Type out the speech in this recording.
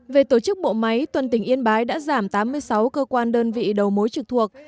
về tổ chức bộ máy toàn tỉnh yên bái đã giảm tám mươi sáu cơ quan đơn vị đầu mối trực thuộc